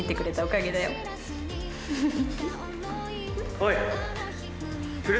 おい。